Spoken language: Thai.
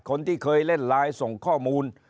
คนที่เคยเล่นไลน์ส่งข้อมูล